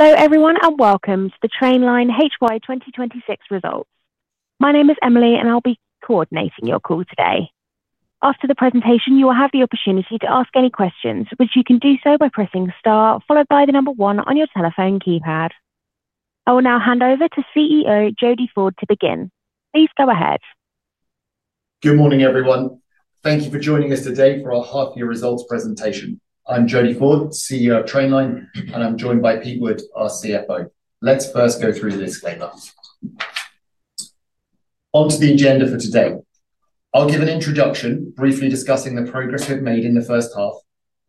Hello everyone and welcome to the Trainline HY 2026 results. My name is Emily and I'll be coordinating your call today. After the presentation, you will have the opportunity to ask any questions, which you can do so by pressing the star followed by the number one on your telephone keypad. I will now hand over to CEO Jody Ford to begin. Please go ahead. Good morning everyone. Thank you for joining us today for our half-year results presentation. I'm Jody Ford, CEO of Trainline, and I'm joined by Pete Wood, our CFO. Let's first go through the disclaimer. Onto the agenda for today. I'll give an introduction, briefly discussing the progress we've made in the first half.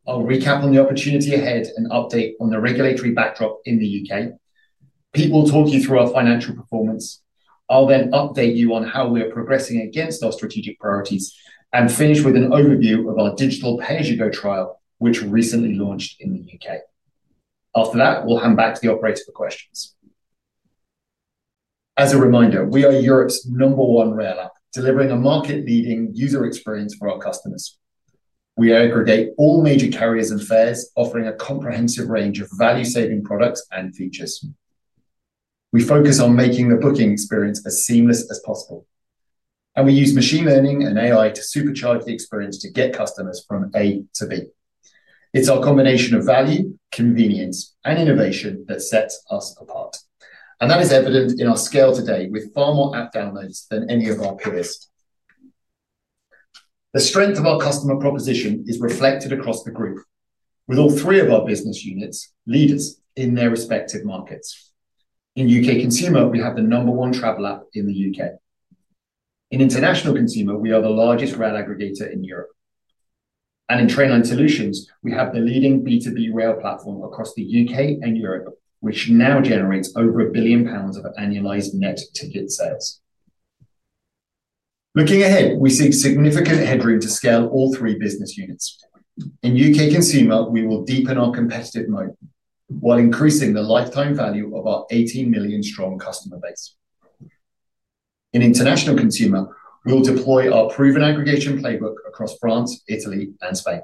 I'll recap on the opportunity ahead and update on the regulatory backdrop in the U.K. Pete will talk you through our financial performance. I'll then update you on how we are progressing against our strategic priorities and finish with an overview of our Digital PayAsYouGo trial, which recently launched in the U.K. After that, we'll hand back to the operator for questions. As a reminder, we are Europe's number one rail app, delivering a market-leading user experience for our customers. We aggregate all major carriers and fares, offering a comprehensive range of value-saving products and features. We focus on making the booking experience as seamless as possible, and we use machine learning and AI to supercharge the experience to get customers from A to B. It is our combination of value, convenience, and innovation that sets us apart, and that is evident in our scale today, with far more app downloads than any of our peers. The strength of our customer proposition is reflected across the group, with all three of our business units leaders in their respective markets. In U.K. consumer, we have the number one travel app in the U.K. In international consumer, we are the largest rail aggregator in Europe. In Trainline Solutions, we have the leading B2B rail platform across the U.K. and Europe, which now generates over 1 billion pounds of annualized net ticket sales. Looking ahead, we see significant headroom to scale all three business units. In U.K. consumer, we will deepen our competitive moat while increasing the lifetime value of our 18 million strong customer base. In international consumer, we will deploy our proven aggregation playbook across France, Italy, and Spain.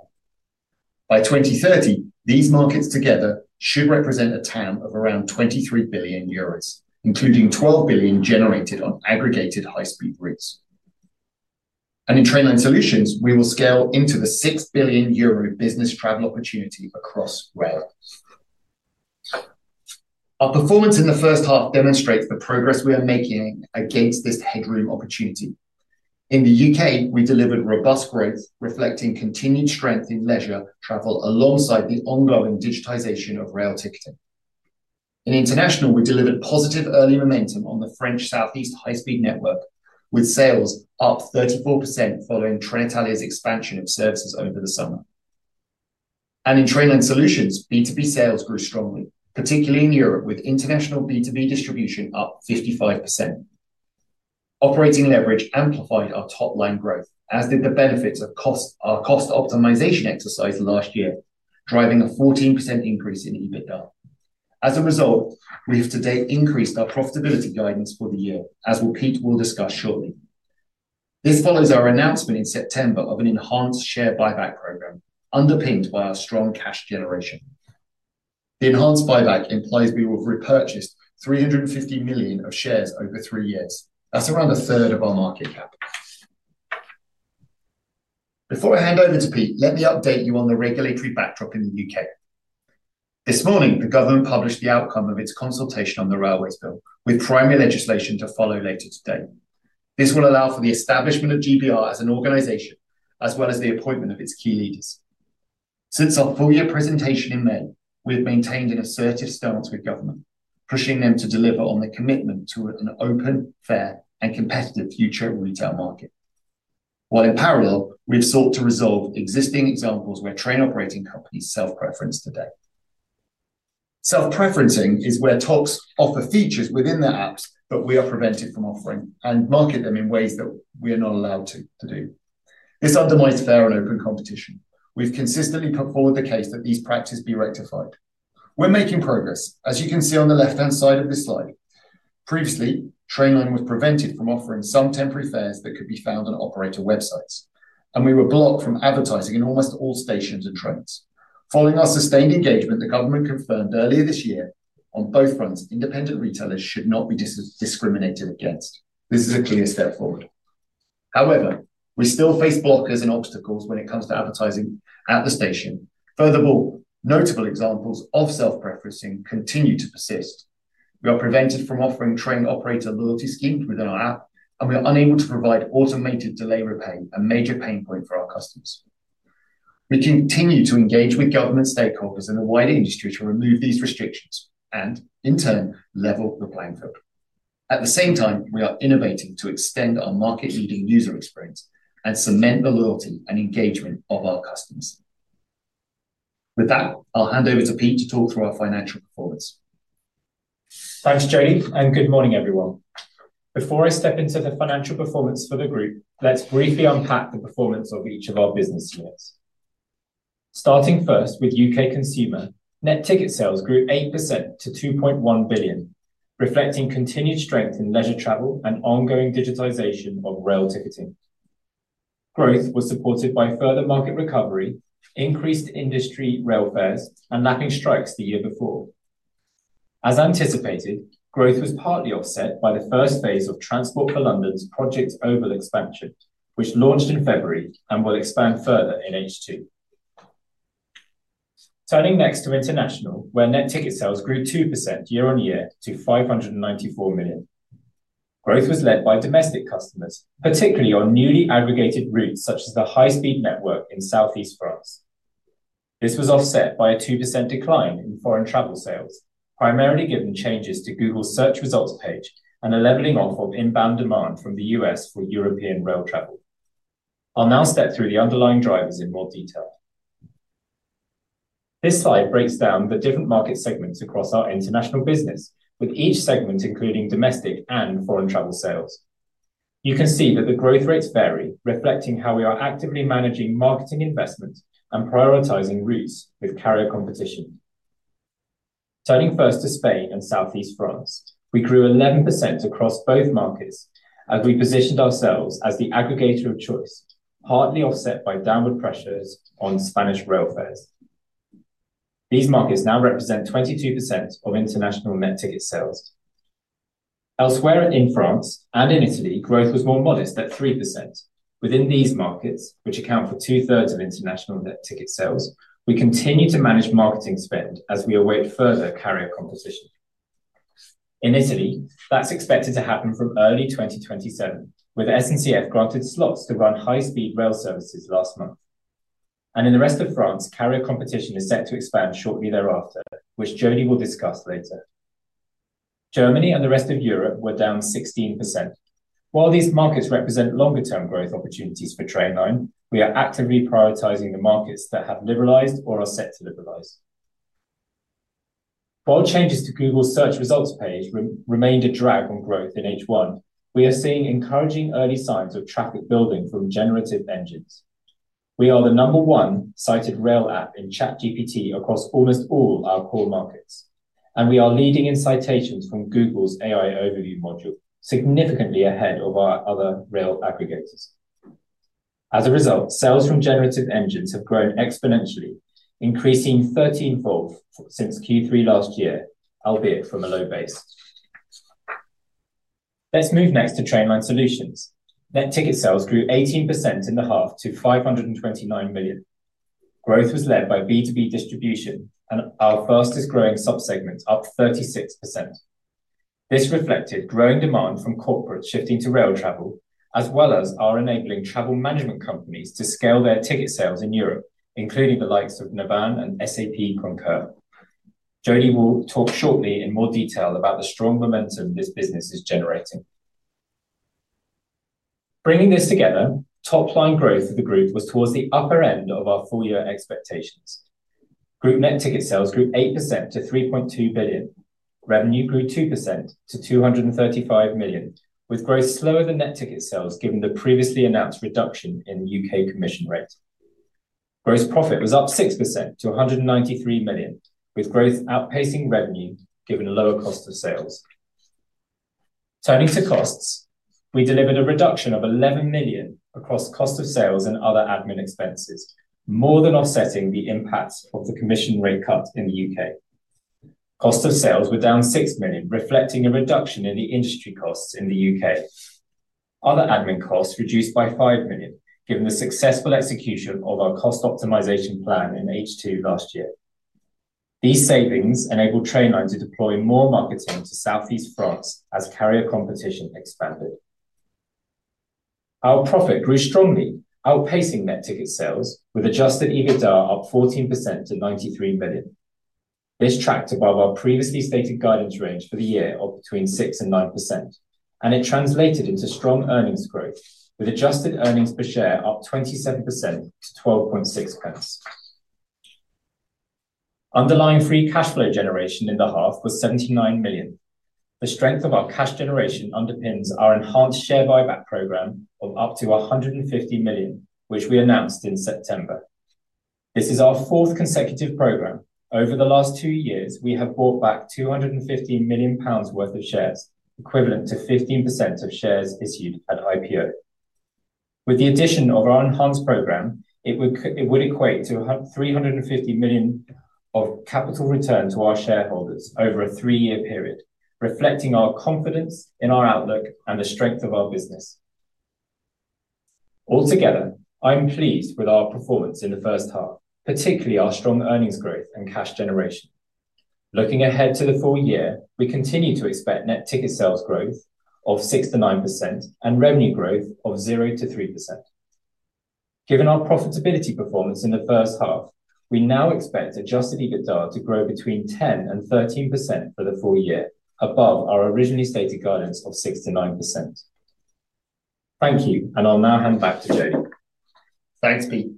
By 2030, these markets together should represent a TAM of around 23 billion euros, including 12 billion generated on aggregated high-speed routes. In Trainline Solutions, we will scale into the 6 billion euro business travel opportunity across rail. Our performance in the first half demonstrates the progress we are making against this headroom opportunity. In the U.K., we delivered robust growth, reflecting continued strength in leisure travel alongside the ongoing digitization of rail ticketing. In international, we delivered positive early momentum on the French Southeast high-speed network, with sales up 34% following Trenitalia's expansion of services over the summer. In Trainline Solutions, B2B sales grew strongly, particularly in Europe, with international B2B distribution up 55%. Operating leverage amplified our top-line growth, as did the benefits of our cost optimization exercise last year, driving a 14% increase in EBITDA. As a result, we have to date increased our profitability guidance for the year, as Pete will discuss shortly. This follows our announcement in September of an enhanced share buyback program, underpinned by our strong cash generation. The enhanced buyback implies we will have repurchased 350 million of shares over three years. That's around a third of our market cap. Before I hand over to Pete, let me update you on the regulatory backdrop in the U.K. This morning, the government published the outcome of its consultation on the railways bill, with primary legislation to follow later today. This will allow for the establishment of GBR as an organization, as well as the appointment of its key leaders. Since our full-year presentation in May, we have maintained an assertive stance with government, pushing them to deliver on the commitment to an open, fair, and competitive future retail market. While in parallel, we have sought to resolve existing examples where train operating companies self-preference today. Self-preferencing is where TOCs offer features within their apps, but we are prevented from offering and market them in ways that we are not allowed to do. This undermines fair and open competition. We've consistently put forward the case that these practices be rectified. We're making progress, as you can see on the left-hand side of this slide. Previously, Trainline was prevented from offering some temporary fares that could be found on operator websites, and we were blocked from advertising in almost all stations and trains. Following our sustained engagement, the government confirmed earlier this year on both fronts independent retailers should not be discriminated against. This is a clear step forward. However, we still face blockers and obstacles when it comes to advertising at the station. Furthermore, notable examples of self-preferencing continue to persist. We are prevented from offering train operator loyalty schemes within our app, and we are unable to provide automated Delay Repay, a major pain point for our customers. We continue to engage with government stakeholders and the wider industry to remove these restrictions and, in turn, level the playing field. At the same time, we are innovating to extend our market-leading user experience and cement the loyalty and engagement of our customers. With that, I'll hand over to Pete to talk through our financial performance. Thanks, Jody, and good morning, everyone. Before I step into the financial performance for the group, let's briefly unpack the performance of each of our business units. Starting first with U.K. consumer, net ticket sales grew 8% to 2.1 billion, reflecting continued strength in leisure travel and ongoing digitization of rail ticketing. Growth was supported by further market recovery, increased industry rail fares, and lapping strikes the year before. As anticipated, growth was partly offset by the first phase of Transport for London's Project Oval expansion, which launched in February and will expand further in H2. Turning next to international, where net ticket sales grew 2% year-on-year to 594 million. Growth was led by domestic customers, particularly on newly aggregated routes such as the high-speed network in Southeast France. This was offset by a 2% decline in foreign travel sales, primarily given changes to Google's search results page and a leveling off of inbound demand from the U.S. for European rail travel. I'll now step through the underlying drivers in more detail. This slide breaks down the different market segments across our international business, with each segment including domestic and foreign travel sales. You can see that the growth rates vary, reflecting how we are actively managing marketing investment and prioritizing routes with carrier competition. Turning first to Spain and Southeast France, we grew 11% across both markets as we positioned ourselves as the aggregator of choice, partly offset by downward pressures on Spanish rail fares. These markets now represent 22% of international net ticket sales. Elsewhere in France and in Italy, growth was more modest at 3%. Within these markets, which account for two-thirds of international net ticket sales, we continue to manage marketing spend as we await further carrier competition. In Italy, that is expected to happen from early 2027, with SNCF granted slots to run high-speed rail services last month. In the rest of France, carrier competition is set to expand shortly thereafter, which Jody will discuss later. Germany and the rest of Europe were down 16%. While these markets represent longer-term growth opportunities for Trainline, we are actively prioritizing the markets that have liberalized or are set to liberalize. While changes to Google's search results page remained a drag on growth in H1, we are seeing encouraging early signs of traffic building from generative engines. We are the number one cited rail app in ChatGPT across almost all our core markets, and we are leading in citations from Google's AI overview module, significantly ahead of other rail aggregators. As a result, sales from generative engines have grown exponentially, increasing 13-fold since Q3 last year, albeit from a low base. Let's move next to Trainline Solutions. Net ticket sales grew 18% in the half to 529 million. Growth was led by B2B distribution and our fastest-growing subsegment, up 36%. This reflected growing demand from corporates shifting to rail travel, as well as our enabling travel management companies to scale their ticket sales in Europe, including the likes of Navan and SAP Concur. Jody will talk shortly in more detail about the strong momentum this business is generating. Bringing this together, top-line growth for the group was towards the upper end of our full-year expectations. Group net ticket sales grew 8% to 3.2 billion. Revenue grew 2% to 235 million, with growth slower than net ticket sales given the previously announced reduction in the U.K. commission rate. Gross profit was up 6% to 193 million, with growth outpacing revenue given lower cost of sales. Turning to costs, we delivered a reduction of 11 million across cost of sales and other admin expenses, more than offsetting the impacts of the commission rate cut in the U.K. Cost of sales were down 6 million, reflecting a reduction in the industry costs in the U.K. Other admin costs reduced by 5 million, given the successful execution of our cost optimization plan in H2 last year. These savings enabled Trainline to deploy more marketing to Southeast France as carrier competition expanded. Our profit grew strongly, outpacing net ticket sales, with adjusted EBITDA up 14% to 93 million. This tracked above our previously stated guidance range for the year of between 6% and 9%, and it translated into strong earnings growth, with adjusted earnings per share up 27% to 0.126. Underlying free cash flow generation in the half was 79 million. The strength of our cash generation underpins our enhanced share buyback program of up to 150 million, which we announced in September. This is our fourth consecutive program. Over the last two years, we have bought back 215 million pounds worth of shares, equivalent to 15% of shares issued at IPO. With the addition of our enhanced program, it would equate to 350 million of capital return to our shareholders over a three-year period, reflecting our confidence in our outlook and the strength of our business. Altogether, I'm pleased with our performance in the first half, particularly our strong earnings growth and cash generation. Looking ahead to the full year, we continue to expect net ticket sales growth of 6%-9% and revenue growth of 0%-3%. Given our profitability performance in the first half, we now expect adjusted EBITDA to grow between 10% and 13% for the full year, above our originally stated guidance of 6%-9%. Thank you, and I'll now hand back to Jody. Thanks, Pete.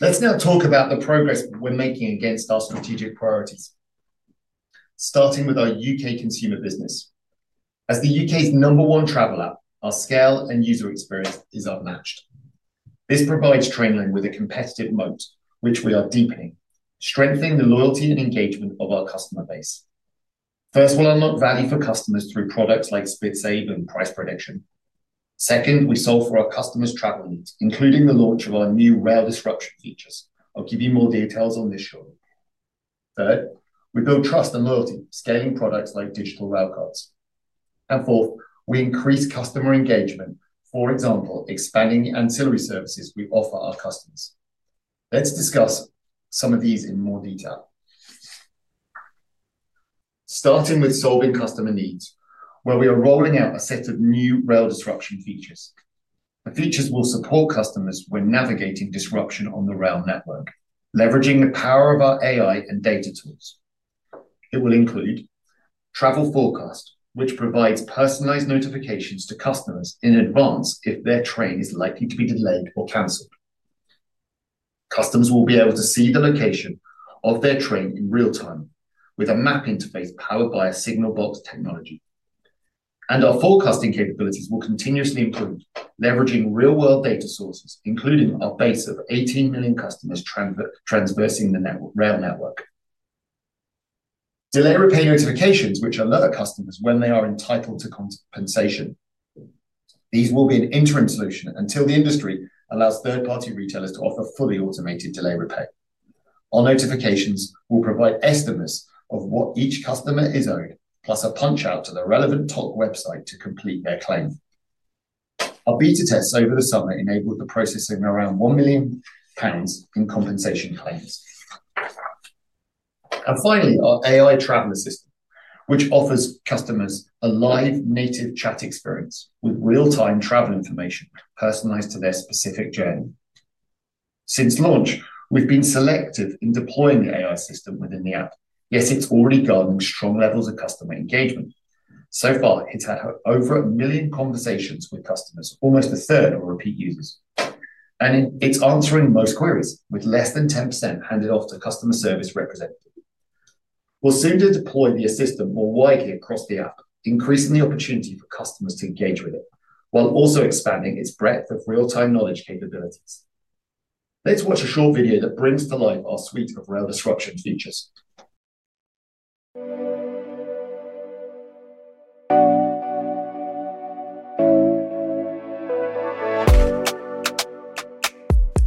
Let's now talk about the progress we're making against our strategic priorities. Starting with our U.K. consumer business. As the U.K.'s number one travel app, our scale and user experience is unmatched. This provides Trainline with a competitive moat, which we are deepening, strengthening the loyalty and engagement of our customer base. First, we'll unlock value for customers through products like SplitSave and Price Prediction. Second, we solve for our customers' travel needs, including the launch of our new rail disruption features. I'll give you more details on this shortly. Third, we build trust and loyalty, scaling products like digital Railcards. Fourth, we increase customer engagement, for example, expanding ancillary services we offer our customers. Let's discuss some of these in more detail. Starting with solving customer needs, where we are rolling out a set of new rail disruption features. The features will support customers when navigating disruption on the rail network, leveraging the power of our AI and data tools. It will include Travel Forecast, which provides personalized notifications to customers in advance if their train is likely to be delayed or canceled. Customers will be able to see the location of their train in real time, with a map interface powered by our Signalbox technology. And our forecasting capabilities will continuously improve, leveraging real-world data sources, including our base of 18 million customers transversing the rail network. Delay Repay notifications, which alert customers when they are entitled to compensation. These will be an interim solution until the industry allows third-party retailers to offer fully automated Delay Repay. Our notifications will provide estimates of what each customer is owed, plus a punch-out to the relevant TOC website to complete their claim. Our beta tests over the summer enabled the processing of around 1 million pounds in compensation claims. Finally, our AI Traveler System, which offers customers a live native chat experience with real-time travel information personalized to their specific journey. Since launch, we've been selective in deploying the AI system within the app, yet it's already garnered strong levels of customer engagement. So far, it's had over a million conversations with customers, almost a third of our repeat users. It's answering most queries, with less than 10% handed off to customer service representatives. We'll soon deploy the assistant more widely across the app, increasing the opportunity for customers to engage with it, while also expanding its breadth of real-time knowledge capabilities. Let's watch a short video that brings to life our suite of rail disruption features.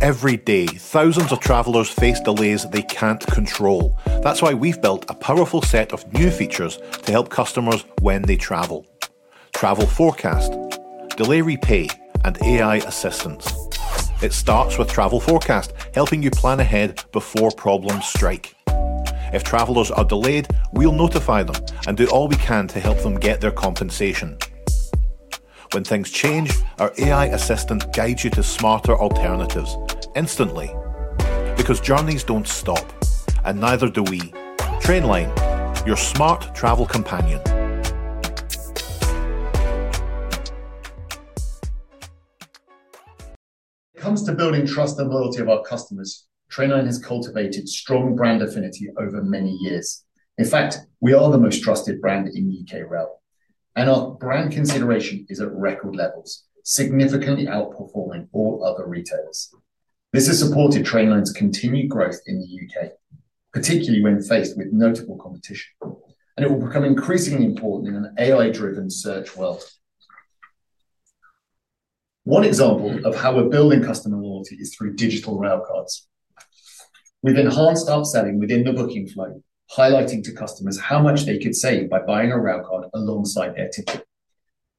Every day, thousands of travelers face delays they can't control. That's why we've built a powerful set of new features to help customers when they travel: Travel Forecast, Delay Repay, and AI Assistance. It starts with Travel Forecast, helping you plan ahead before problems strike. If travelers are delayed, we'll notify them and do all we can to help them get their compensation. When things change, our AI assistant guides you to smarter alternatives instantly, because journeys don't stop, and neither do we. Trainline, your smart travel companion. When it comes to building trust and loyalty of our customers, Trainline has cultivated strong brand affinity over many years. In fact, we are the most trusted brand in U.K. rail, and our brand consideration is at record levels, significantly outperforming all other retailers. This has supported Trainline's continued growth in the U.K., particularly when faced with notable competition, and it will become increasingly important in an AI-driven search world. One example of how we're building customer loyalty is through digital railcards. We've enhanced upselling within the booking flow, highlighting to customers how much they could save by buying a Railcard alongside their ticket.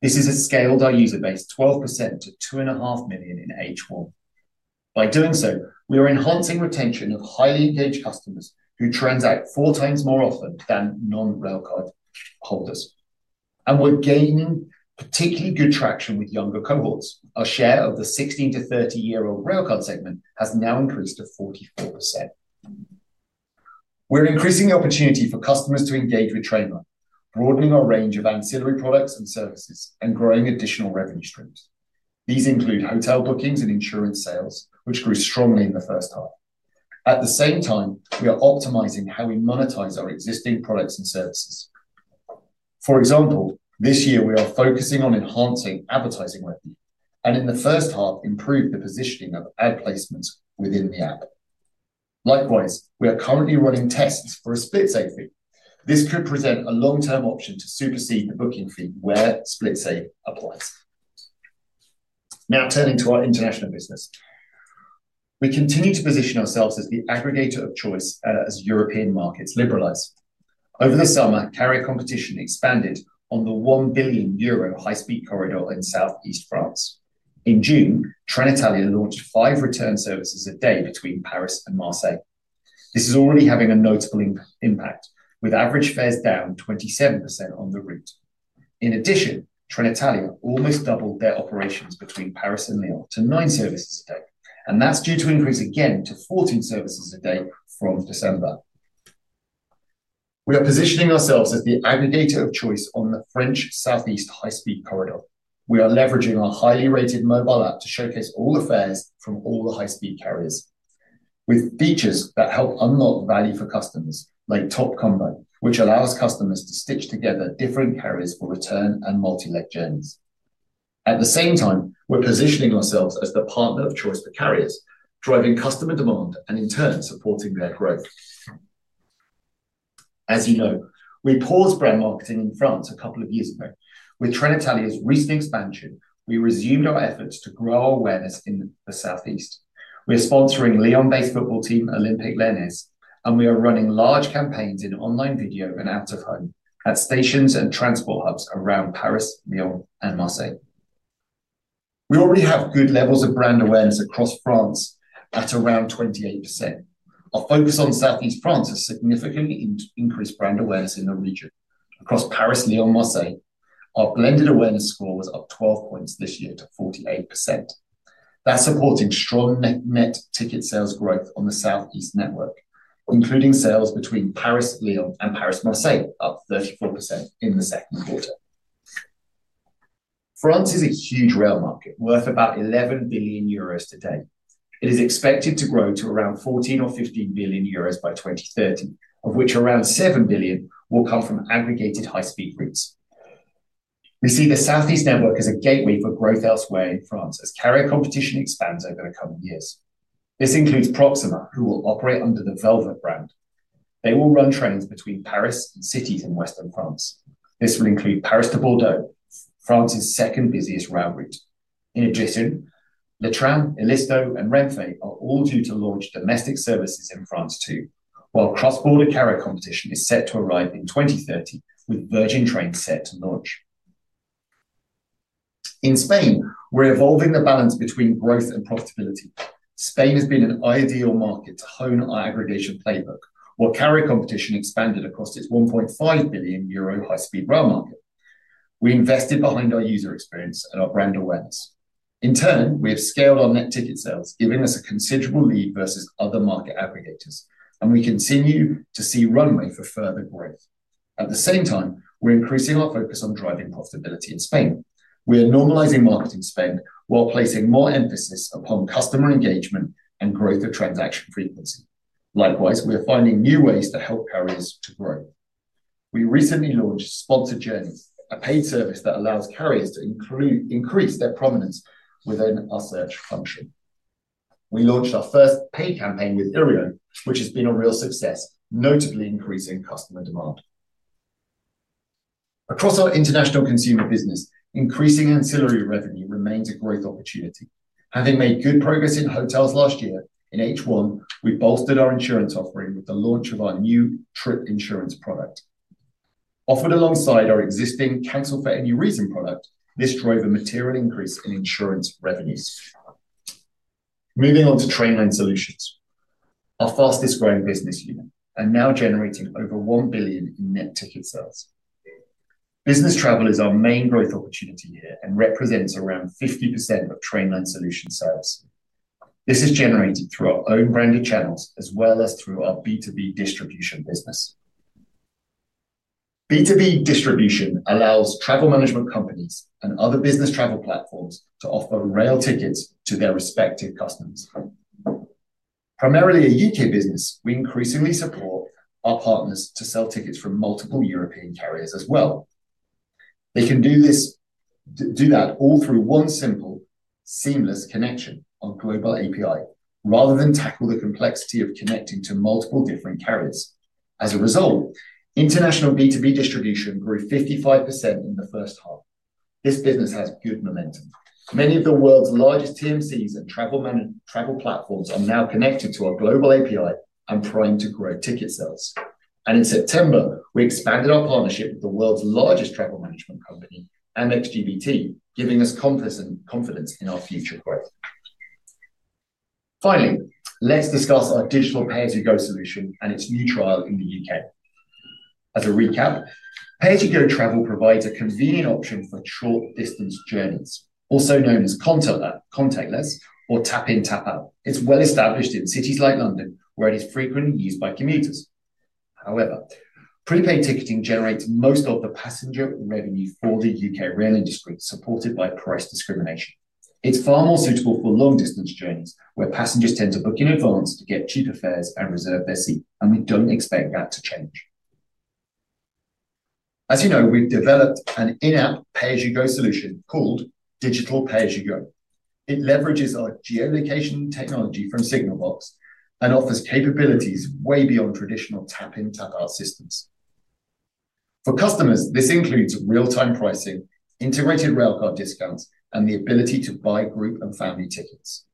This has scaled our user base 12% to 2.5 million in H1. By doing so, we are enhancing retention of highly engaged customers who transact 4x more often than non-Railcard holders. We're gaining particularly good traction with younger cohorts. Our share of the 16 to 30-year-old Railcard segment has now increased to 44%. We're increasing the opportunity for customers to engage with Trainline, broadening our range of ancillary products and services, and growing additional revenue streams. These include hotel bookings and insurance sales, which grew strongly in the first half. At the same time, we are optimizing how we monetize our existing products and services. For example, this year, we are focusing on enhancing advertising revenue and, in the first half, improving the positioning of ad placements within the app. Likewise, we are currently running tests for a SplitSave fee. This could present a long-term option to supersede the booking fee where SplitSave applies. Now, turning to our international business. We continue to position ourselves as the aggregator of choice as European markets liberalize. Over the summer, carrier competition expanded on the 1 billion euro high-speed corridor in Southeast France. In June, Trenitalia launched five return services a day between Paris and Marseille. This is already having a notable impact, with average fares down 27% on the route. In addition, Trenitalia almost doubled their operations between Paris and Lyon to nine services a day, and that's due to increase again to 14 services a day from December. We are positioning ourselves as the aggregator of choice on the French Southeast high-speed corridor. We are leveraging our highly rated mobile app to showcase all the fares from all the high-speed carriers, with features that help unlock value for customers, like TopCombo, which allows customers to stitch together different carriers for return and multi-leg journeys. At the same time, we're positioning ourselves as the partner of choice for carriers, driving customer demand and, in turn, supporting their growth. As you know, we paused brand marketing in France a couple of years ago. With Trenitalia's recent expansion, we resumed our efforts to grow our awareness in the Southeast. We are sponsoring Lyon-based football team Olympique Lyonnais, and we are running large campaigns in online video and out of home at stations and transport hubs around Paris, Lyon, and Marseille. We already have good levels of brand awareness across France at around 28%. Our focus on Southeast France has significantly increased brand awareness in the region. Across Paris, Lyon, and Marseille, our blended awareness score was up 12 points this year to 48%. That's supporting strong net ticket sales growth on the Southeast network, including sales between Paris, Lyon, and Paris, Marseille up 34% in the second quarter. France is a huge rail market, worth about 11 billion euros today. It is expected to grow to around 14 billion or 15 billion euros by 2030, of which around 7 billion will come from aggregated high-speed routes. We see the Southeast network as a gateway for growth elsewhere in France as carrier competition expands over the coming years. This includes Proxima, who will operate under the Velvet brand. They will run trains between Paris and cities in Western France. This will include Paris to Bordeaux, France's second busiest rail route. In addition, Le Tram, ILiSTO, and Renfe are all due to launch domestic services in France too, while cross-border carrier competition is set to arrive in 2030, with Virgin Trains set to launch. In Spain, we're evolving the balance between growth and profitability. Spain has been an ideal market to hone our aggregation playbook, where carrier competition expanded across its 1.5 billion euro high-speed rail market. We invested behind our user experience and our brand awareness. In turn, we have scaled our net ticket sales, giving us a considerable lead versus other market aggregators, and we continue to see runway for further growth. At the same time, we are increasing our focus on driving profitability in Spain. We are normalizing marketing spend while placing more emphasis upon customer engagement and growth of transaction frequency. Likewise, we are finding new ways to help carriers to grow. We recently launched Sponsored Journeys, a paid service that allows carriers to increase their prominence within our search function. We launched our first paid campaign with Iryo, which has been a real success, notably increasing customer demand. Across our international consumer business, increasing ancillary revenue remains a growth opportunity. Having made good progress in hotels last year, in H1, we bolstered our insurance offering with the launch of our new trip insurance product. Offered alongside our existing Cancel for Any Reason product, this drove a material increase in insurance revenues. Moving on to Trainline Solutions, our fastest-growing business unit, and now generating over 1 billion in net ticket sales. Business travel is our main growth opportunity here and represents around 50% of Trainline Solutions' sales. This is generated through our own branded channels as well as through our B2B distribution business. B2B distribution allows travel management companies and other business travel platforms to offer rail tickets to their respective customers. Primarily a U.K. business, we increasingly support our partners to sell tickets from multiple European carriers as well. They can do that all through one simple, seamless connection on global API, rather than tackle the complexity of connecting to multiple different carriers. As a result, international B2B distribution grew 55% in the first half. This business has good momentum. Many of the world's largest TMCs and travel platforms are now connected to our global API and primed to grow ticket sales. In September, we expanded our partnership with the world's largest travel management company, Amex GBT, giving us confidence in our future growth. Finally, let's discuss our Digital Pay As You Go solution and its new trial in the U.K. As a recap, Pay As You Go travel provides a convenient option for short-distance journeys, also known as contactless or tap-in, tap-out. It's well established in cities like London, where it is frequently used by commuters. However, prepaid ticketing generates most of the passenger revenue for the U.K. rail industry, supported by price discrimination. It's far more suitable for long-distance journeys, where passengers tend to book in advance to get cheaper fares and reserve their seat, and we don't expect that to change. As you know, we've developed an in-app pay-as-you-go solution called Digital PayAsYouGo. It leverages our geolocation technology from Signalbox and offers capabilities way beyond traditional tap-in, tap-out systems. For customers, this includes real-time pricing, integrated railcard discounts, and the ability to buy group and family tickets.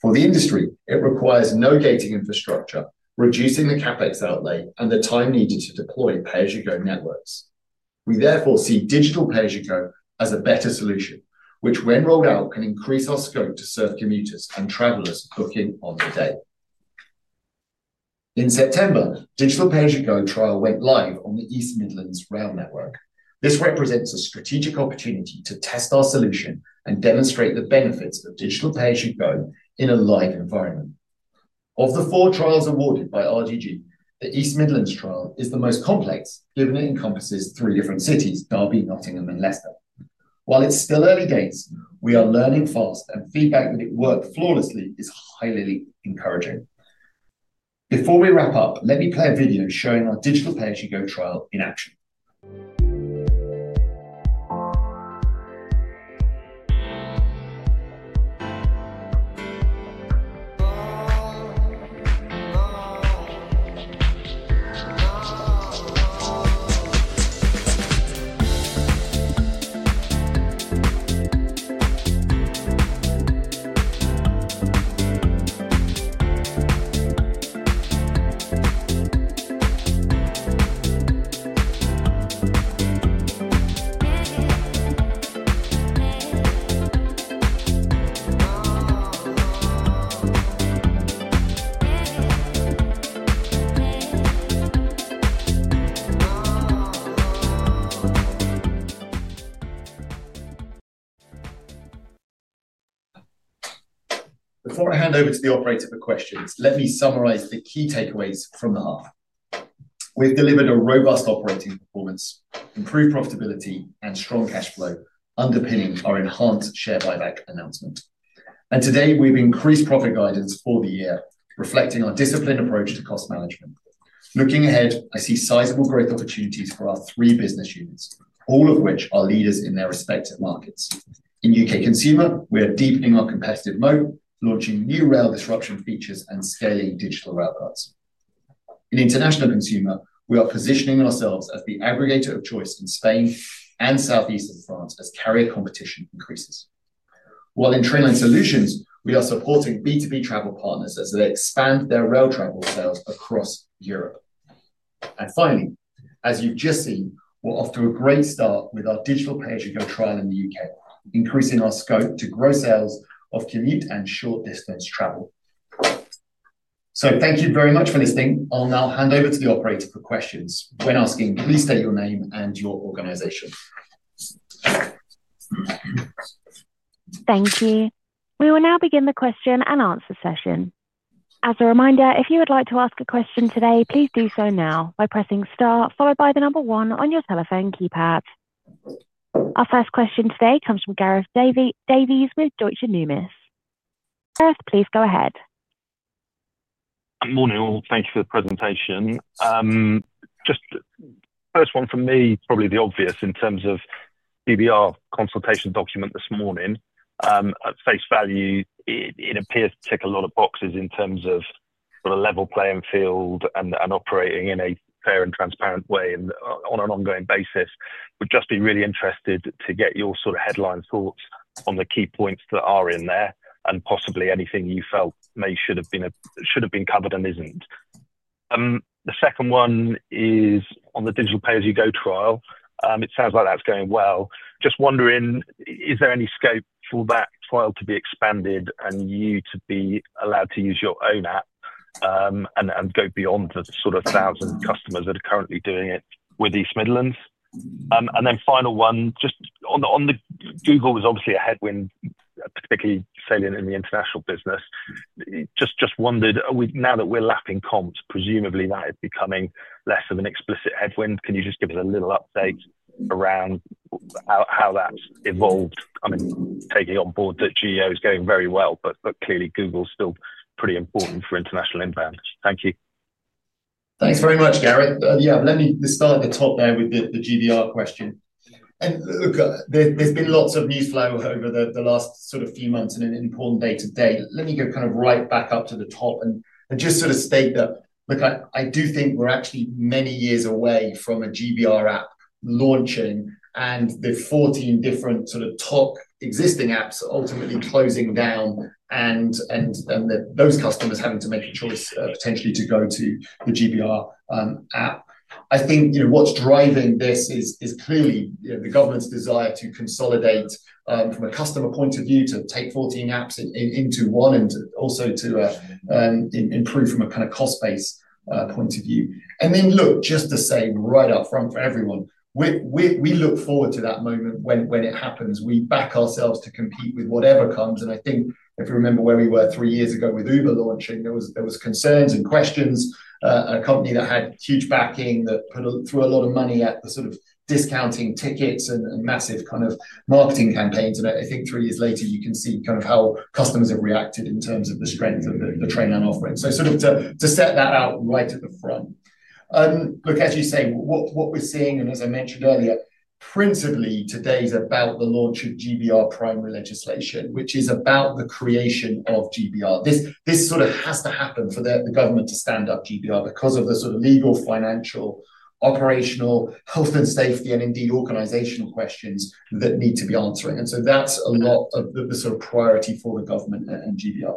For the industry, it requires no gating infrastructure, reducing the CapEx outlay and the time needed to deploy pay-as-you-go networks. We therefore see Digital PayAsYouGo as a better solution, which, when rolled out, can increase our scope to serve commuters and travelers booking on the day. In September, Digital PayAsYouGo trial went live on the East Midlands rail network. This represents a strategic opportunity to test our solution and demonstrate the benefits of Digital PayAsYouGo in a live environment. Of the four trials awarded by RDG, the East Midlands trial is the most complex, given it encompasses three different cities, Derby, Nottingham, and Leicester. While it's still early days, we are learning fast, and feedback that it worked flawlessly is highly encouraging. Before we wrap up, let me play a video showing our Digital PayAsYouGo trial in action. Before I hand over to the operator for questions, let me summarize the key takeaways from the half. We've delivered a robust operating performance, improved profitability, and strong cash flow, underpinning our enhanced share buyback announcement. Today, we've increased profit guidance for the year, reflecting our disciplined approach to cost management. Looking ahead, I see sizable growth opportunities for our three business units, all of which are leaders in their respective markets. In U.K. consumer, we are deepening our competitive moat, launching new rail disruption features and scaling Digital Railcards. In international consumer, we are positioning ourselves as the aggregator of choice in Spain and Southeast France as carrier competition increases. While in Trainline Solutions, we are supporting B2B travel partners as they expand their rail travel sales across Europe. Finally, as you've just seen, we're off to a great start with our Digital PayAsYouGo trial in the U.K., increasing our scope to grow sales of commute and short-distance travel. Thank you very much for listening. I'll now hand over to the operator for questions. When asking, please state your name and your organization. Thank you. We will now begin the question and answer session. As a reminder, if you would like to ask a question today, please do so now by pressing star, followed by the number one on your telephone keypad. Our first question today comes from Gareth Davies with Deutsche Numis. Gareth, please go ahead. Good morning. Thank you for the presentation. Just. The first one for me is probably the obvious in terms of GBR consultation document this morning. At face value, it appears to tick a lot of boxes in terms of sort of level playing field and operating in a fair and transparent way on an ongoing basis. We'd just be really interested to get your sort of headline thoughts on the key points that are in there and possibly anything you felt may should have been covered and isn't. The second one is on the Digital PayAsYouGo trial. It sounds like that's going well. Just wondering, is there any scope for that trial to be expanded and you to be allowed to use your own app. And then go beyond the sort of 1,000 customers that are currently doing it with East Midlands? And then final one, just on the Google, was obviously a headwind, particularly salient in the international business. Just wondered, now that we're lapping comps, presumably that is becoming less of an explicit headwind. Can you just give us a little update around how that's evolved? I mean, taking on board that GEO is going very well, but clearly Google is still pretty important for international inbound. Thank you. Thanks very much, Gareth. Yeah, let me start at the top there with the GBR question. Look, there's been lots of news flow over the last sort of few months and an important day today. Let me go kind of right back up to the top and just sort of state that, look, I do think we're actually many years away from a GBR app launching and the 14 different sort of top existing apps ultimately closing down. Those customers having to make a choice potentially to go to the GBR app. I think what's driving this is clearly the government's desire to consolidate from a customer point of view to take 14 apps into one and also to improve from a kind of cost-based point of view. Just to say right up front for everyone, we look forward to that moment when it happens. We back ourselves to compete with whatever comes. I think, if you remember where we were three years ago with Uber launching, there were concerns and questions, a company that had huge backing that threw a lot of money at the sort of discounting tickets and massive kind of marketing campaigns. I think three years later, you can see kind of how customers have reacted in terms of the strength of the Trainline offering. To set that out right at the front. Look, as you say, what we're seeing, and as I mentioned earlier, principally, today's about the launch of GBR primary legislation, which is about the creation of GBR. This has to happen for the government to stand up GBR because of the legal, financial, operational, health and safety, and indeed organizational questions that need to be answering. That is a lot of the priority for the government and GBR.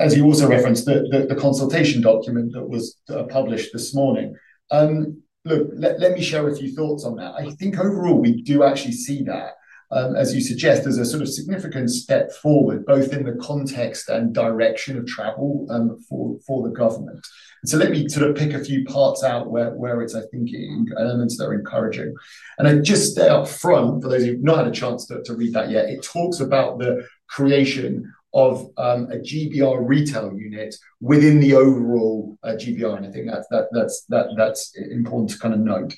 As you also referenced, the consultation document that was published this morning. Look, let me share a few thoughts on that. I think overall, we do actually see that, as you suggest, as a significant step forward, both in the context and direction of travel for the government. Let me sort of pick a few parts out where it's, I think, elements that are encouraging. I just say up front, for those who have not had a chance to read that yet, it talks about the creation of a GBR retail unit within the overall GBR. I think that's important to kind of note.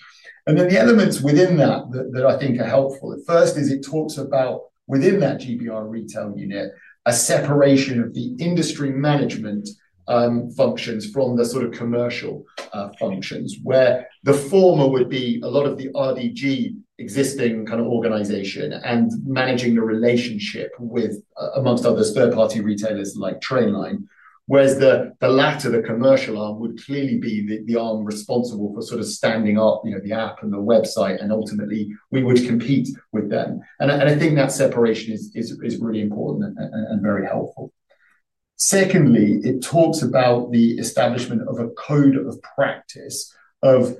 The elements within that that I think are helpful. First is it talks about, within that GBR retail unit, a separation of the industry management functions from the sort of commercial functions, where the former would be a lot of the RDG existing kind of organization and managing the relationship with, amongst others, third-party retailers like Trainline, whereas the latter, the commercial arm, would clearly be the arm responsible for sort of standing up the app and the website. Ultimately, we would compete with them. I think that separation is really important and very helpful. Secondly, it talks about the establishment of a code of practice of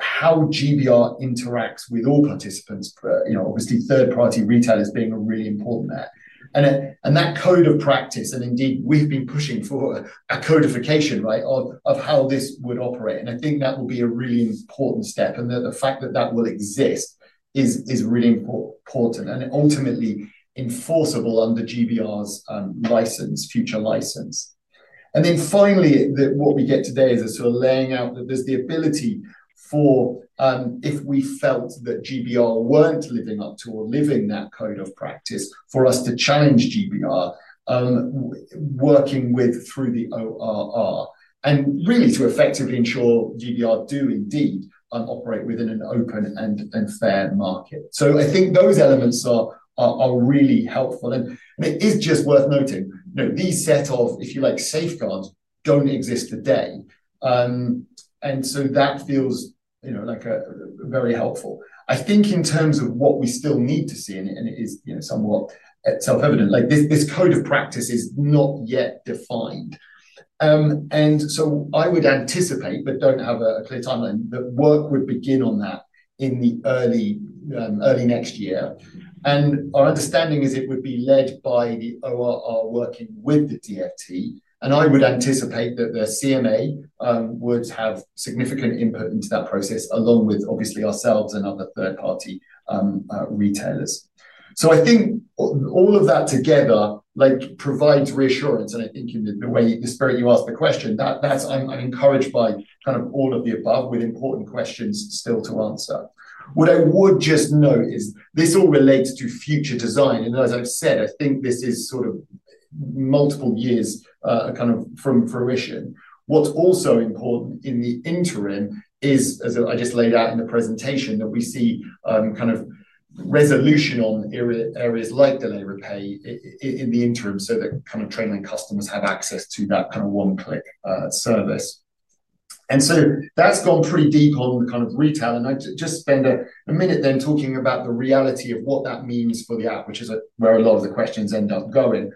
how GBR interacts with all participants, obviously third-party retailers being really important there. That code of practice, and indeed, we've been pushing for a codification of how this would operate. I think that will be a really important step. The fact that that will exist is really important. Ultimately, enforceable under GBR's future license. Finally, what we get today is a sort of laying out that there's the ability for, if we felt that GBR were not living up to or living that code of practice, for us to challenge GBR, working through the ORR and really to effectively ensure GBR do indeed operate within an open and fair market. I think those elements are really helpful. It is just worth noting, these set of, if you like, safeguards do not exist today. That feels like very helpful. I think in terms of what we still need to see, and it is somewhat self-evident, this code of practice is not yet defined. I would anticipate, but do not have a clear timeline, that work would begin on that in the early next year. Our understanding is it would be led by the ORR working with the DfT. I would anticipate that the CMA would have significant input into that process, along with, obviously, ourselves and other third-party retailers. So I think all of that together provides reassurance. I think in the way, the spirit you asked the question, I am encouraged by kind of all of the above with important questions still to answer. What I would just note is this all relates to future design. As I've said, I think this is sort of multiple years from fruition. What's also important in the interim is, as I just laid out in the presentation, that we see kind of resolution on areas like Delay Repay in the interim so that Trainline customers have access to that kind of one-click service. And so that's gone pretty deep on the retail. I just spent a minute then talking about the reality of what that means for the app, which is where a lot of the questions end up going.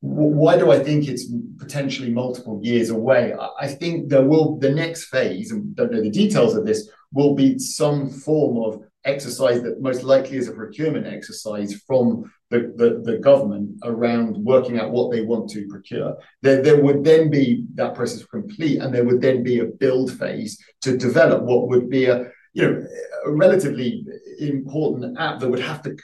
Why do I think it's potentially multiple years away? I think the next phase, and I don't know the details of this, will be some form of exercise that most likely is a procurement exercise from. The government around working out what they want to procure. There would then be that process complete, and there would then be a build phase to develop what would be a relatively important app that would have to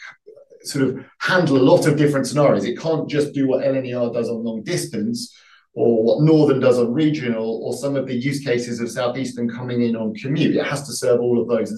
sort of handle a lot of different scenarios. It can't just do what LNER does on long-distance or what Northern does on regional or some of the use cases of Southeastern coming in on commute. It has to serve all of those.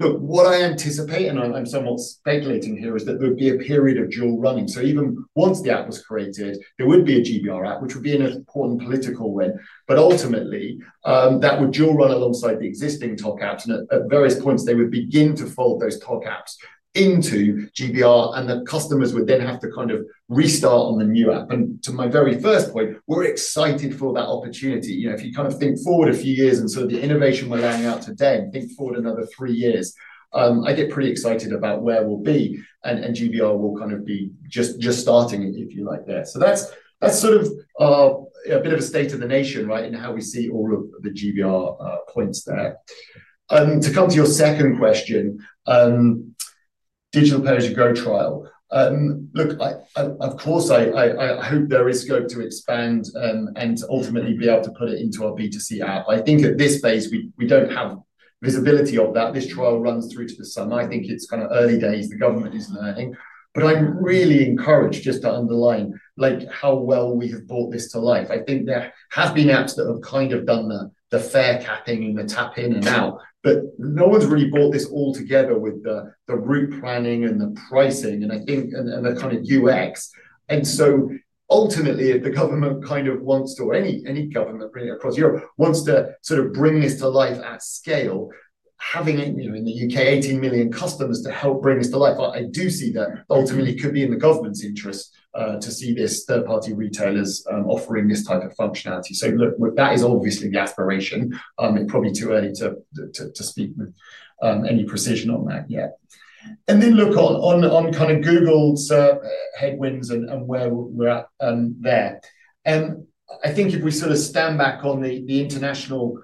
What I anticipate, and I'm somewhat speculating here, is that there would be a period of dual running. Even once the app was created, there would be a GBR app, which would be an important political win. But ultimately, that would dual run alongside the existing top apps. At various points, they would begin to fold those top apps into GBR, and the customers would then have to kind of restart on the new app. To my very first point, we're excited for that opportunity. If you kind of think forward a few years and sort of the innovation we're laying out today and think forward another three years, I get pretty excited about where we'll be. GBR will kind of be just starting, if you like, there. That's a bit of a state of the nation, right, in how we see all of the GBR points there. To come to your second question. Digital PayAsYouGo trial. Look, of course, I hope there is scope to expand and to ultimately be able to put it into our B2C app. I think at this phase, we don't have visibility of that. This trial runs through to the summer. I think it's kind of early days. The government is learning. I am really encouraged just to underline how well we have brought this to life. I think there have been apps that have kind of done the fare capping and the tap in and out. No one's really brought this all together with the route planning and the pricing and the kind of UX. And so ultimately, if the government kind of wants to, or any government across Europe wants to sort of bring this to life at scale, having it in the U.K., 18 million customers to help bring this to life, I do see that ultimately could be in the government's interest to see these third-party retailers offering this type of functionality. That is obviously the aspiration. It's probably too early to speak with any precision on that yet. And then look on kind of Google's headwinds and where we're at there. I think if we sort of stand back on the international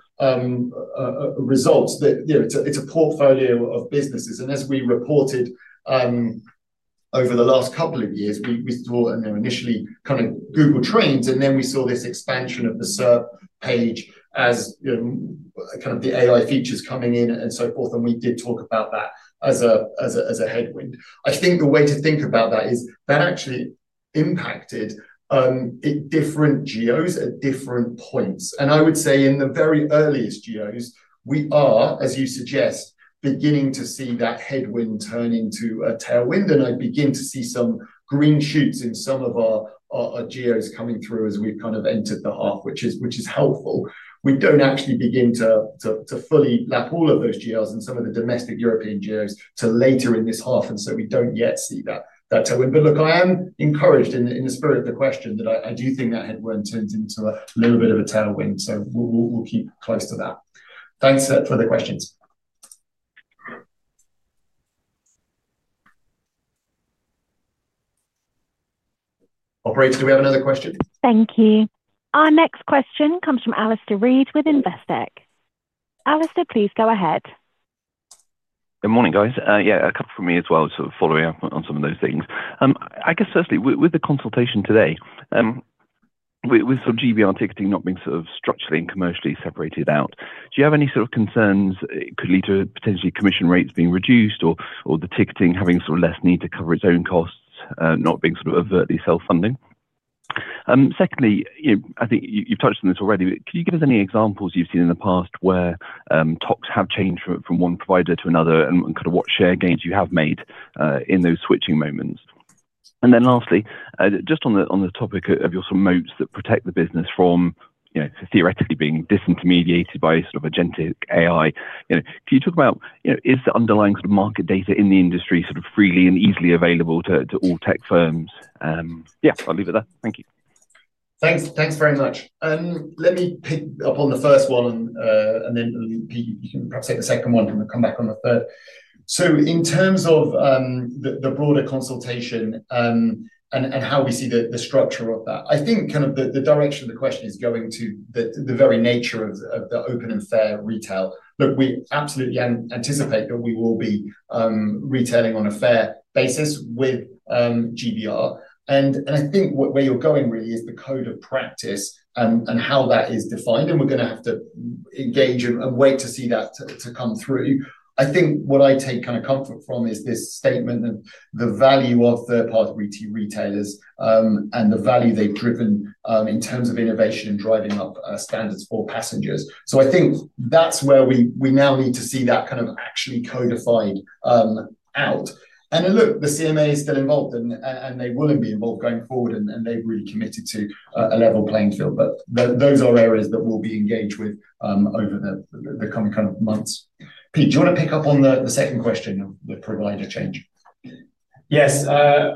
results, it's a portfolio of businesses. As we reported over the last couple of years, we saw initially kind of Google Trends, and then we saw this expansion of the SERP page as kind of the AI features coming in and so forth. We did talk about that as a headwind. I think the way to think about that is that actually impacted different GEOs at different points. I would say in the very earliest GEOs, we are, as you suggest, beginning to see that headwind turn into a tailwind. I begin to see some green shoots in some of our GEOs coming through as we've kind of entered the half, which is helpful. We don't actually begin to fully lap all of those GEOs and some of the domestic European GEOs until later in this half. We don't yet see that tailwind. I am encouraged in the spirit of the question that I do think that headwind turns into a little bit of a tailwind. We'll keep close to that. Thanks for the questions. Operator, do we have another question? Thank you. Our next question comes from Alastair Reid with Investec. Alastair, please go ahead. Good morning, guys. Yeah, a couple from me as well sort of following up on some of those things. I guess, firstly, with the consultation today. With sort of GBR ticketing not being sort of structurally and commercially separated out, do you have any sort of concerns it could lead to potentially commission rates being reduced or the ticketing having sort of less need to cover its own costs, not being sort of overtly self-funding? Secondly, I think you've touched on this already, but can you give us any examples you've seen in the past where talks have changed from one provider to another and kind of what share gains you have made in those switching moments? And then lastly, just on the topic of your sort of moats that protect the business from theoretically being disintermediated by sort of agentic AI, can you talk about, is the underlying sort of market data in the industry sort of freely and easily available to all tech firms? I'll leave it there. Thank you. Thanks very much. Let me pick up on the first one, and then you can perhaps take the second one and come back on the third. In terms of the broader consultation and how we see the structure of that, I think kind of the direction of the question is going to the very nature of the open and fair retail. Look, we absolutely anticipate that we will be retailing on a fair basis with GBR. I think where you're going really is the code of practice and how that is defined. We're going to have to engage and wait to see that to come through. I think what I take kind of comfort from is this statement of the value of third-party retailers and the value they've driven in terms of innovation and driving up standards for passengers. So I think that's where we now need to see that kind of actually codified out. Look, the CMA is still involved, and they will be involved going forward, and they've really committed to a level playing field. Those are areas that we'll be engaged with over the coming months. Pete, do you want to pick up on the second question of the provider change? Yes.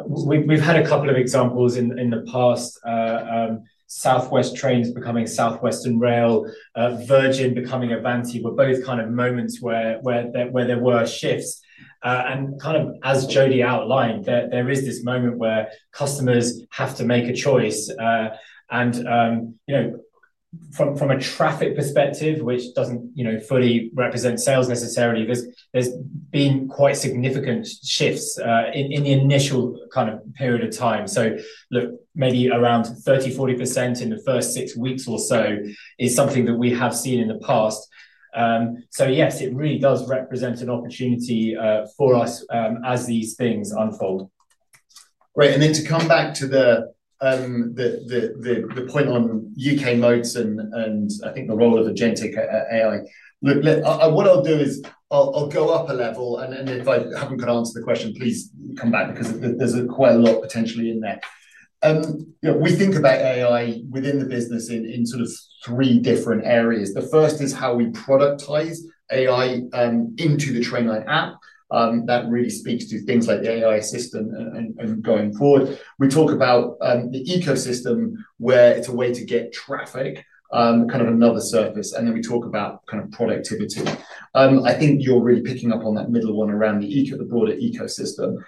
We've had a couple of examples in the past. South West Trains becoming South Western Railway, Virgin becoming Avanti were both kind of moments where there were shifts. And as Jody outlined, there is this moment where customers have to make a choice. From a traffic perspective, which doesn't fully represent sales necessarily, there's been quite significant shifts in the initial period of time. Look, maybe around 30-40% in the first six weeks or so is something that we have seen in the past. Yes, it really does represent an opportunity for us as these things unfold. Great. To come back to the point on U.K. moats and I think the role of agentic AI, what I'll do is I'll go up a level. If I haven't got to answer the question, please come back because there's quite a lot potentially in there. We think about AI within the business in sort of three different areas. The first is how we productize AI into the Trainline app. That really speaks to things like the AI system and going forward. We talk about the ecosystem where it's a way to get traffic, kind of another surface. Then we talk about kind of productivity. I think you're really picking up on that middle one around the broader ecosystem.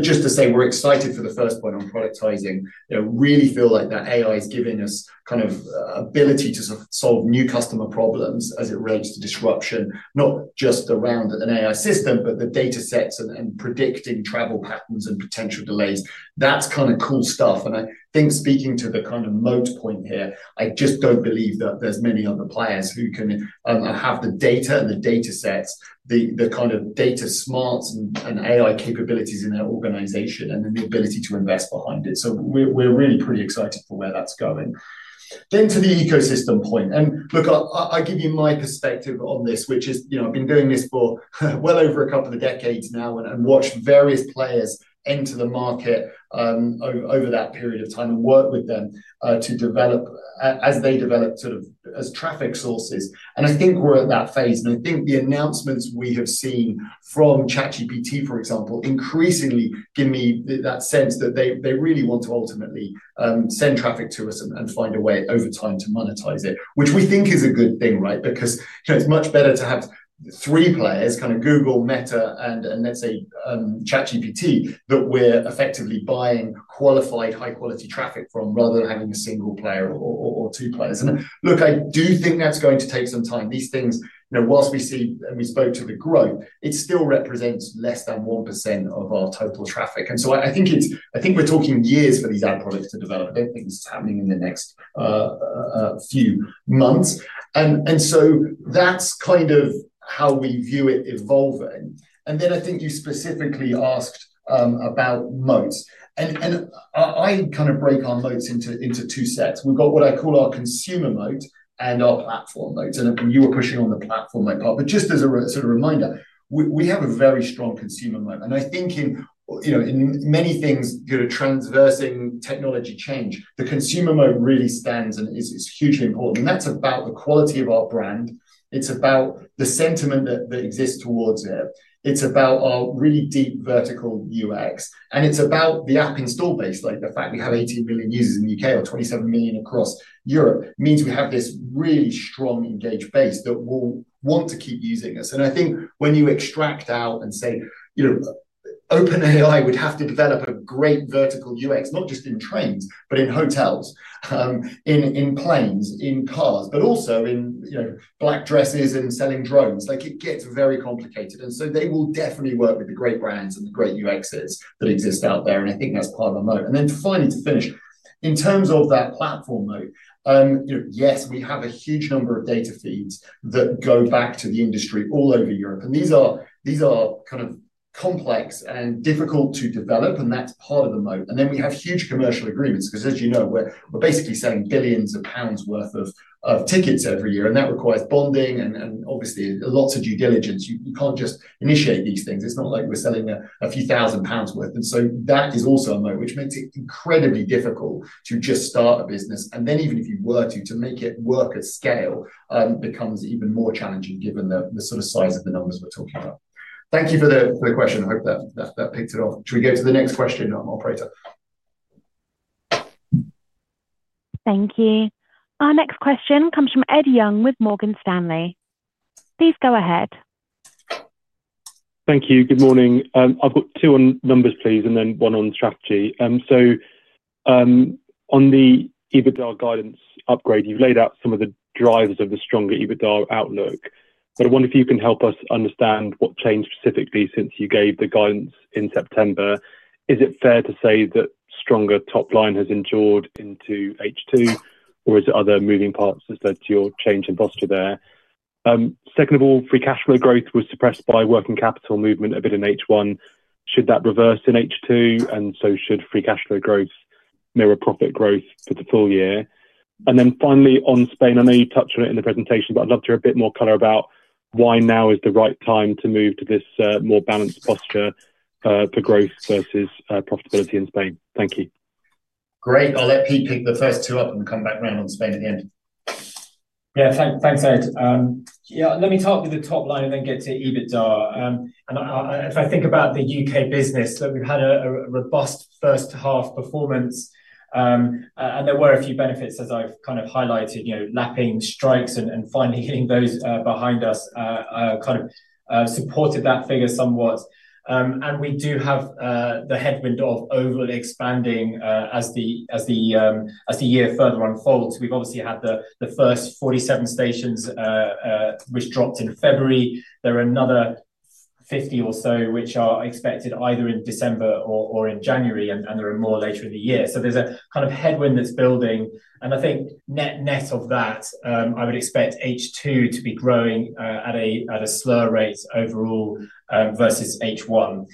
Just to say, we're excited for the first point on productizing. I really feel like that AI is giving us kind of ability to solve new customer problems as it relates to disruption, not just around an AI system, but the datasets and predicting travel patterns and potential delays. That's kind of cool stuff. I think speaking to the kind of moat point here, I just don't believe that there's many other players who can have the data and the datasets, the kind of data smarts and AI capabilities in their organization, and then the ability to invest behind it. We're really pretty excited for where that's going. Then to the ecosystem point. Look, I'll give you my perspective on this, which is I've been doing this for well over a couple of decades now and watched various players enter the market. Over that period of time and worked with them to develop as they develop sort of as traffic sources. I think we're at that phase. I think the announcements we have seen from ChatGPT, for example, increasingly give me that sense that they really want to ultimately send traffic to us and find a way over time to monetize it, which we think is a good thing, right? Because it's much better to have three players, kind of Google, Meta, and let's say ChatGPT, that we're effectively buying qualified, high-quality traffic from rather than having a single player or two players. I do think that's going to take some time. These things, whilst we see and we spoke to the growth, it still represents less than 1% of our total traffic. I think we're talking years for these ad products to develop. I don't think this is happening in the next few months. That's kind of how we view it evolving. I think you specifically asked about moats. I kind of break our moats into two sets. We've got what I call our consumer moat and our platform moat. You were pushing on the platform moat part. Just as a sort of reminder, we have a very strong consumer moat. I think in many things that are transversing technology change, the consumer moat really stands and is hugely important. That's about the quality of our brand. It's about the sentiment that exists towards it. It's about our really deep vertical UX. It's about the app install base. The fact we have 18 million users in the U.K. or 27 million across Europe means we have this really strong engaged base that will want to keep using us. I think when you extract out and say OpenAI would have to develop a great vertical UX, not just in trains, but in hotels, in planes, in cars, but also in black dresses and selling drones, it gets very complicated. They will definitely work with the great brands and the great UXs that exist out there. I think that's part of the moat. Finally, to finish, in terms of that platform moat, yes, we have a huge number of data feeds that go back to the industry all over Europe. These are kind of complex and difficult to develop, and that's part of the moat. We have huge commercial agreements because, as you know, we're basically selling billions of GBP worth of tickets every year. That requires bonding and obviously lots of due diligence. You can't just initiate these things. It's not like we're selling a few thousand GBP worth. That is also a moat, which makes it incredibly difficult to just start a business. Even if you were to, to make it work at scale becomes even more challenging given the sort of size of the numbers we're talking about. Thank you for the question. I hope that picked it off. Should we go to the next question, Operator? Thank you. Our next question comes from Ed Young with Morgan Stanley. Please go ahead. Thank you. Good morning. I've got two on numbers, please, and then one on strategy. On the EBITDA guidance upgrade, you've laid out some of the drivers of the stronger EBITDA outlook. I wonder if you can help us understand what changed specifically since you gave the guidance in September. Is it fair to say that stronger top line has endured into H2, or is it other moving parts that led to your change in posture there? Second of all, free cash flow growth was suppressed by working capital movement a bit in H1. Should that reverse in H2? Should free cash flow growth mirror profit growth for the full year? And then finally, on Spain, I know you touched on it in the presentation, but I'd love to hear a bit more color about why now is the right time to move to this more balanced posture for growth versus profitability in Spain. Thank you. Great. I'll let Pete pick the first two up and come back around on Spain at the end. Yeah, thanks, Ed. Yeah, let me start with the top line and then get to EBITDA. And if I think about the U.K. business, we've had a robust first half performance. There were a few benefits, as I've kind of highlighted, lapping strikes and finally getting those behind us kind of supported that figure somewhat. We do have the headwind of overall expanding as the year further unfolds. We've obviously had the first 47 stations, which dropped in February. There are another. 50 or so which are expected either in December or in January, and there are more later in the year. There is a kind of headwind that is building. I think net of that, I would expect H2 to be growing at a slower rate overall versus H1.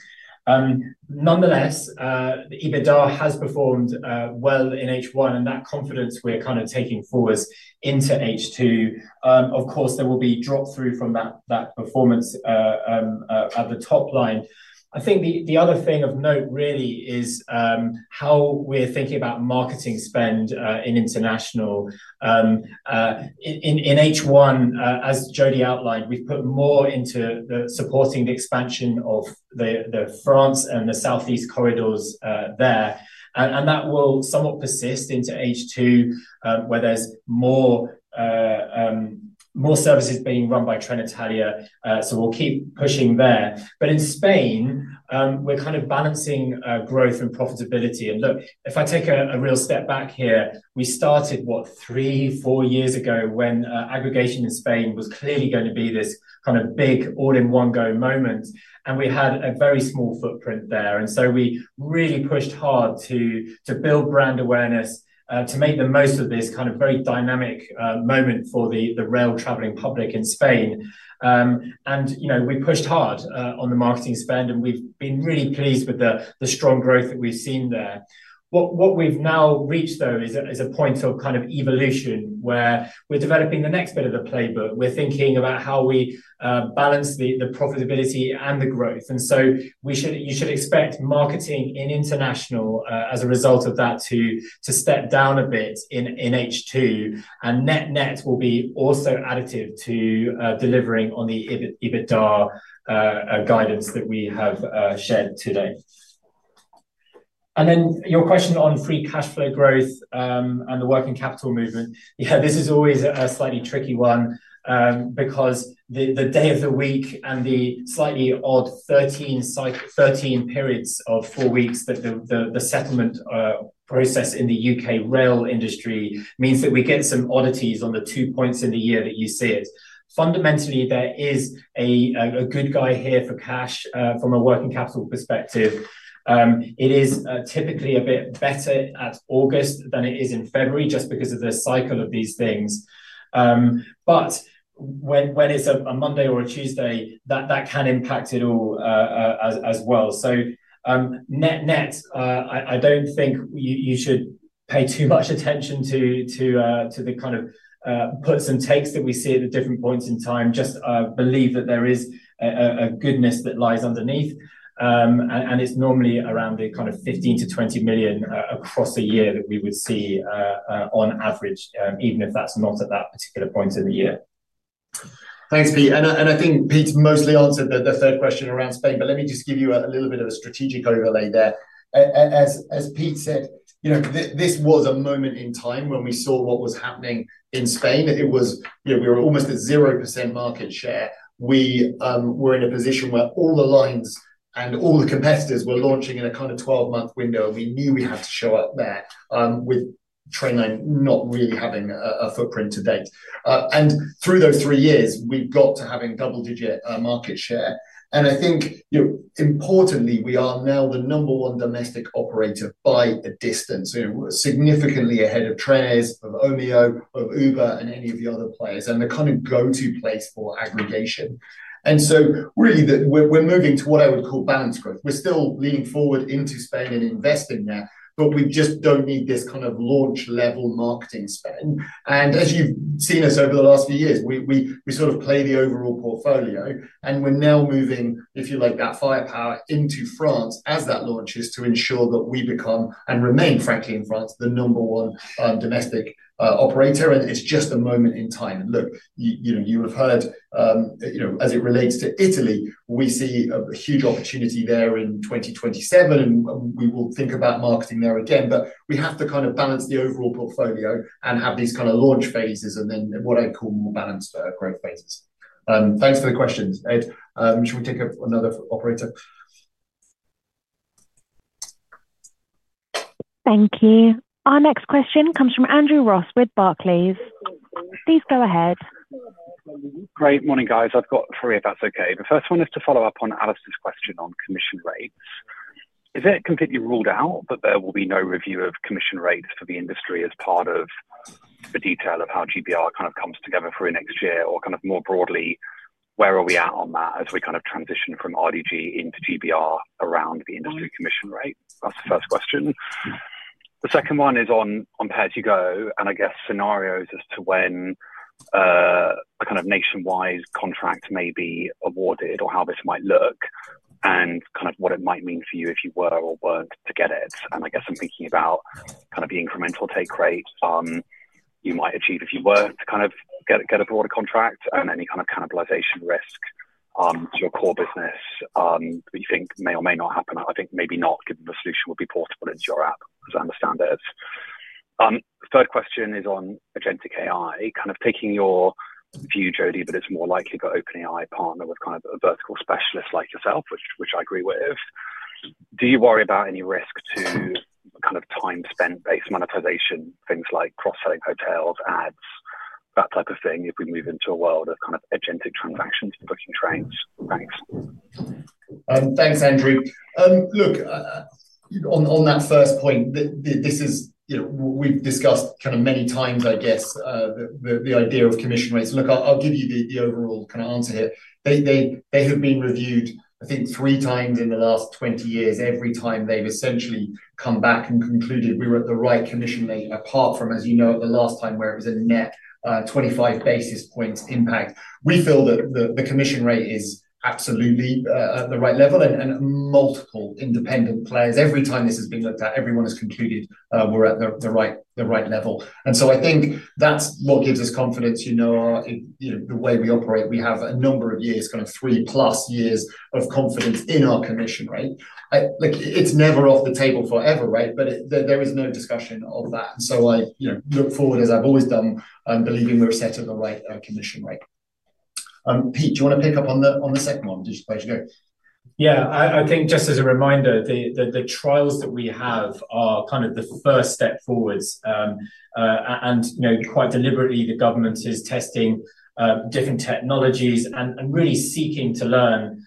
Nonetheless, EBITDA has performed well in H1, and that confidence we are kind of taking forward into H2. Of course, there will be drop-through from that performance at the top line. I think the other thing of note really is how we are thinking about marketing spend in international. In H1, as Jody outlined, we have put more into supporting the expansion of the France and the Southeast corridors there. That will somewhat persist into H2, where there are more services being run by Trenitalia. We will keep pushing there. In Spain, we are kind of balancing growth and profitability. If I take a real step back here, we started, what, three, four years ago when aggregation in Spain was clearly going to be this kind of big all-in-one-go moment. We had a very small footprint there. So we really pushed hard to build brand awareness, to make the most of this kind of very dynamic moment for the rail-traveling public in Spain. And you know we pushed hard on the marketing spend, and we've been really pleased with the strong growth that we've seen there. What we've now reached, though, is a point of kind of evolution where we're developing the next bit of the playbook. We're thinking about how we balance the profitability and the growth. And so you should expect marketing in international as a result of that to step down a bit in H2. Net-net will be also additive to delivering on the EBITDA guidance that we have shared today. And then your question on free cash flow growth and the working capital movement, yeah, this is always a slightly tricky one because the day of the week and the slightly odd 13 periods of four weeks that the settlement process in the U.K. rail industry means that we get some oddities on the two points in the year that you see it. Fundamentally, there is a good guy here for cash from a working capital perspective. It is typically a bit better at August than it is in February just because of the cycle of these things. When it is a Monday or a Tuesday, that can impact it all as well. So, Net-net, I do not think you should pay too much attention to. The kind of puts and takes that we see at different points in time. I just believe that there is a goodness that lies underneath. It is normally around the kind of 15-20 million across a year that we would see on average, even if that is not at that particular point in the year. Thanks, Pete. I think Pete's mostly answered the third question around Spain, but let me just give you a little bit of a strategic overlay there. As Pete said, this was a moment in time when we saw what was happening in Spain. We were almost at 0% market share. We were in a position where all the lines and all the competitors were launching in a kind of 12-month window. We knew we had to show up there with Trainline not really having a footprint to date. Through those three years, we have got to having double-digit market share. And I think mportantly, we are now the number one domestic operator by a distance. We are significantly ahead of Trenes, of Omio, of Uber, and any of the other players. The kind of go-to place for aggregation. And so really, we are moving to what I would call balanced growth. We are still leaning forward into Spain and investing there, but we just do not need this kind of launch-level marketing spend. As you have seen us over the last few years, we sort of play the overall portfolio. We are now moving, if you like, that firepower into France as that launches to ensure that we become and remain, frankly, in France, the number one domestic operator. It is just a moment in time. Look, you will have heard. As it relates to Italy, we see a huge opportunity there in 2027, and we will think about marketing there again. We have to kind of balance the overall portfolio and have these kind of launch phases and then what I call more balanced growth phases. Thanks for the questions. Ed, should we take another operator? Thank you. Our next question comes from Andrew Ross with Barclays. Please go ahead. Great morning, guys. I've got three, if that's okay. The first one is to follow up on Alastair's question on commission rates. Is it completely ruled out that there will be no review of commission rates for the industry as part of the detail of how GBR kind of comes together for next year? Or kind of more broadly, where are we at on that as we kind of transition from RDG into GBR around the industry commission rate? That's the first question. The second one is on PayAsYouGo and I guess scenarios as to when a kind of nationwide contract may be awarded or how this might look and kind of what it might mean for you if you were or were not to get it. I guess I'm thinking about kind of the incremental take rate you might achieve if you were to kind of get a broader contract and any kind of cannibalization risk to your core business that you think may or may not happen. I think maybe not, given the solution would be portable into your app, as I understand it. Third question is on agentic AI. Kind of taking your view, Jody, but is it more likely for OpenAI to partner with kind of a vertical specialist like yourself, which I agree with. Do you worry about any risk to kind of time-spent-based monetization, things like cross-selling hotels, ads, that type of thing if we move into a world of kind of agentic transactions and booking trains? Thanks, Andrew. Look. On that first point, this is what we've discussed kind of many times, I guess. The idea of commission rates. Look, I'll give you the overall kind of answer here. They have been reviewed, I think, 3x in the last 20 years. Every time they've essentially come back and concluded we were at the right commission rate, apart from, as you know, the last time where it was a net 25 basis points impact. We feel that the commission rate is absolutely at the right level. And multiple independent players, every time this has been looked at, everyone has concluded we're at the right level. And so I think that's what gives us confidence. The way we operate, we have a number of years, kind of 3+ years of confidence in our commission rate. It's never off the table forever, right? There is no discussion of that. I look forward, as I've always done, believing we're set at the right commission rate. Pete, do you want to pick up on the second one? Just by your go. I think just as a reminder, the trials that we have are kind of the first step forward. And quite deliberately, the government is testing different technologies and really seeking to learn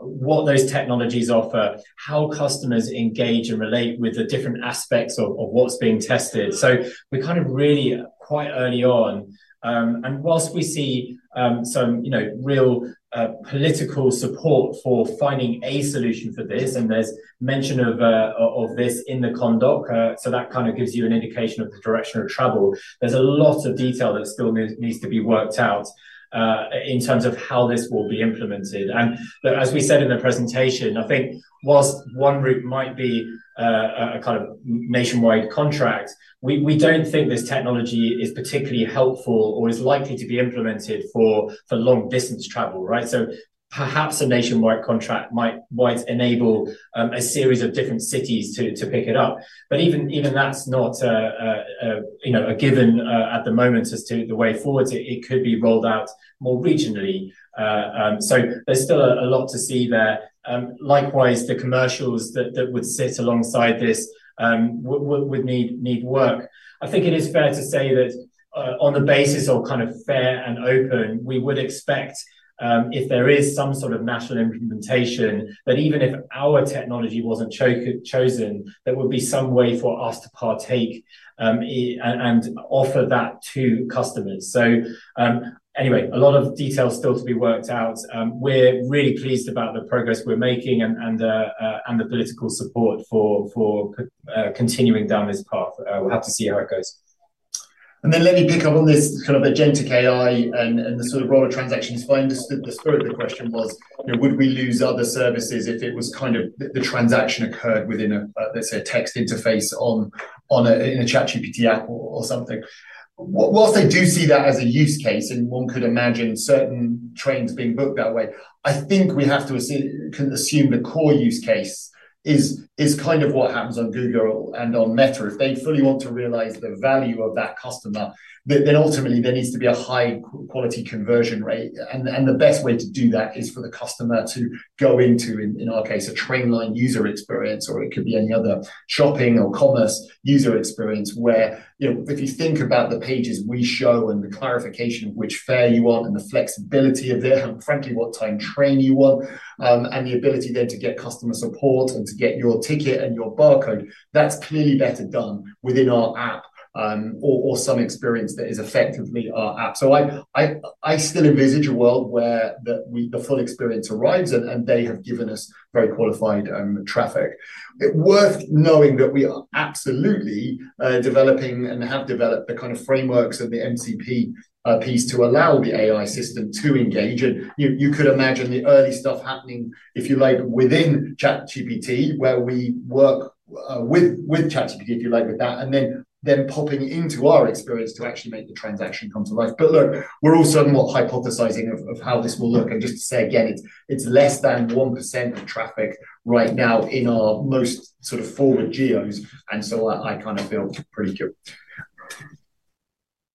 what those technologies offer, how customers engage and relate with the different aspects of what's being tested. So we're kind of really quite early on. Whilst we see some real political support for finding a solution for this, and there's mention of this in the conduct, so that kind of gives you an indication of the direction of travel, there's a lot of detail that still needs to be worked out in terms of how this will be implemented. As we said in the presentation, I think whilst one route might be a kind of nationwide contract, we don't think this technology is particularly helpful or is likely to be implemented for long-distance travel, right? Perhaps a nationwide contract might enable a series of different cities to pick it up, but even that's not a given at the moment as to the way forward. It could be rolled out more regionally. So there's still a lot to see there. Likewise, the commercials that would sit alongside this would need work. I think it is fair to say that on the basis of kind of fair and open, we would expect, if there is some sort of national implementation, that even if our technology was not chosen, there would be some way for us to partake and offer that to customers. So anyway, a lot of detail still to be worked out. We are really pleased about the progress we are making and the political support for continuing down this path. We will have to see how it goes. Let me pick up on this kind of agentic AI and the sort of broader transactions. I understood the spirit of the question was, would we lose other services if it was kind of the transaction occurred within, let us say, a text interface, in a ChatGPT app or something? Whilst I do see that as a use case, and one could imagine certain trains being booked that way, I think we have to assume the core use case is kind of what happens on Google and on Meta. If they fully want to realize the value of that customer, then ultimately, there needs to be a high-quality conversion rate. And the best way to do that is for the customer to go into, in our case, a Trainline user experience, or it could be any other shopping or commerce user experience where if you think about the pages we show and the clarification of which fare you want and the flexibility of it, and frankly, what time train you want, and the ability then to get customer support and to get your ticket and your barcode, that's clearly better done within our app. Or some experience that is effectively our app. I still envisage a world where the full experience arrives, and they have given us very qualified traffic. Worth knowing that we are absolutely developing and have developed the kind of frameworks and the MCP piece to allow the AI system to engage. You could imagine the early stuff happening, if you like, within ChatGPT, where we work with ChatGPT, if you like, with that, and then popping into our experience to actually make the transaction come to life. We are also not hypothesizing of how this will look. Just to say again, it's less than 1% of traffic right now in our most sort of forward GEOs. I kind of feel pretty good.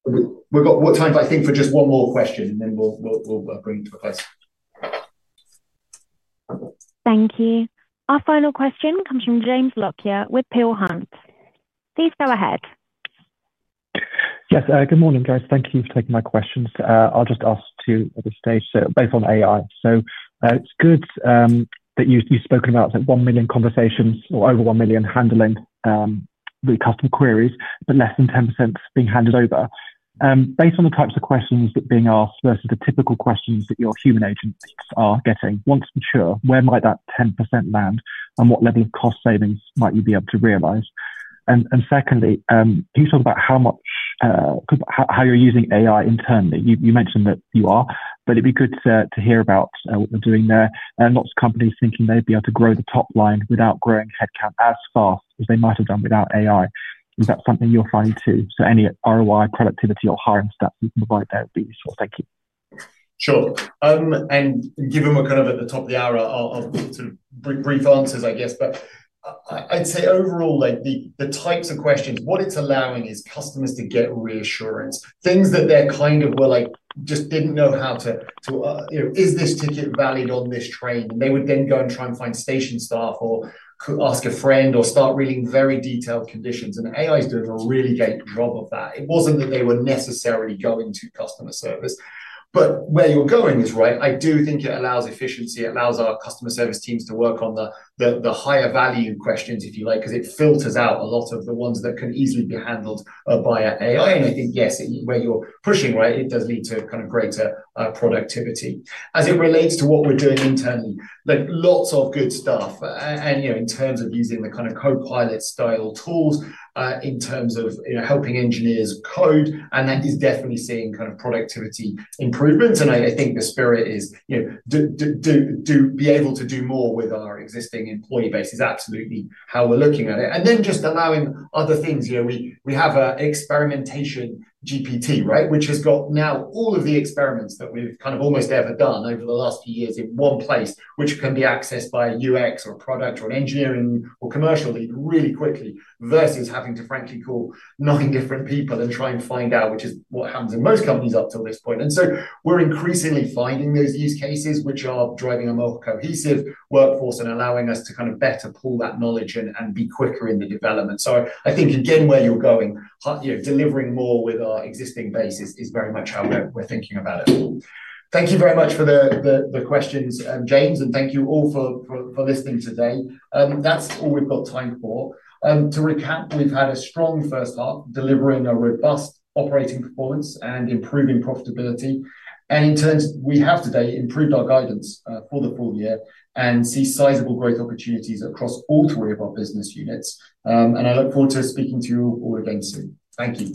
We've got more time, I think, for just one more question, and then we'll bring it to a close. Thank you. Our final question comes from James Lockyer with Peel Hunt. Please go ahead. Yes, good morning, guys. Thank you for taking my questions. I'll just ask to this stage, so based on AI. It's good that you've spoken about one million conversations or over one million handling the customer queries, but less than 10% being handed over. Based on the types of questions that are being asked versus the typical questions that your human agents are getting, once sure, where might that 10% land? What level of cost savings might you be able to realize? Secondly, can you talk about how you're using AI internally? You mentioned that you are, but it'd be good to hear about what you're doing there. Lots of companies thinking they'd be able to grow the top line without growing headcount as fast as they might have done without AI. Is that something you're finding too? Any ROI, productivity, or hiring stats you can provide there would be useful. Thank you. Sure. To give them kind of at the top of the hour sort of brief answers, I guess. I'd say overall, the types of questions, what it's allowing is customers to get reassurance. Things that they kind of were like, just didn't know how to. Is this ticket valid on this train? They would then go and try and find station staff or ask a friend or start reading very detailed conditions. AI is doing a really great job of that. It wasn't that they were necessarily going to customer service. Where you're going is right. I do think it allows efficiency. It allows our customer service teams to work on the higher-value questions, if you like, because it filters out a lot of the ones that can easily be handled by AI. I think, yes, where you're pushing, right, it does lead to kind of greater productivity. As it relates to what we're doing internally, lots of good stuff. In terms of using the kind of Copilot-style tools, in terms of helping engineers code, that is definitely seeing kind of productivity improvements. I think the spirit is to be able to do more with our existing employee base is absolutely how we're looking at it. Then just allowing other things. We have an experimentation GPT, right, which has got now all of the experiments that we've kind of almost ever done over the last few years in one place, which can be accessed by a UX or a product or an engineering or commercial lead really quickly versus having to, frankly, call nine different people and try and find out which is what happens in most companies up to this point. We are increasingly finding those use cases which are driving a more cohesive workforce and allowing us to kind of better pull that knowledge and be quicker in the development. I think, again, where you're going, delivering more with our existing base is very much how we're thinking about it. Thank you very much for the questions, James. Thank you all for listening today. That's all we've got time for. To recap, we've had a strong first half, delivering a robust operating performance and improving profitability. In terms, we have today improved our guidance for the full year and see sizable growth opportunities across all three of our business units. I look forward to speaking to you all again soon. Thank you.